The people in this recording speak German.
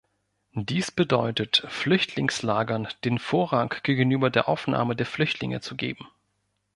Dies bedeutet, Flüchtlingslagern den Vorrang gegenüber der Aufnahme der Flüchtlinge zu geben.